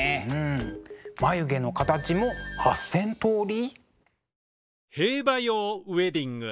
眉毛の形も８，０００通り？